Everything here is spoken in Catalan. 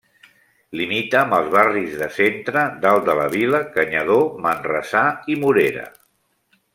Limita amb els barris de Centre, Dalt de la Vila, Canyadó, Manresà i Morera.